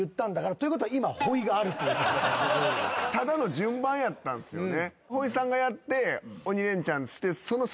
ただの順番やったんすよね。